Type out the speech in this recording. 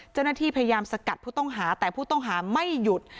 เจ้าหน้าที่พยายามสกัดผู้ต้องหาแต่ผู้ต้องหาไม่หยุด